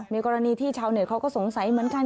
มีกรณีที่ชาวเน็ตเขาก็สงสัยเหมือนกัน